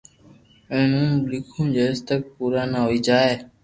ھين ھون ليکون جيس تڪ پورا نہ ھوئي جائي